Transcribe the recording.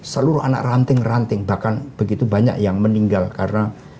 seluruh anak ranting ranting bahkan begitu banyak yang meninggal karena